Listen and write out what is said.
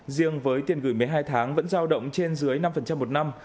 riêng với tiền gửi một mươi hai tháng vẫn giao động trên dưới năm một năm